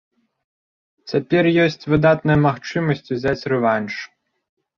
Цяпер ёсць выдатная магчымасць узяць рэванш.